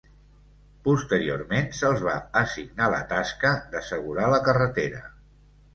Posteriorment se'ls va assignar la tasca d'assegurar la carretera.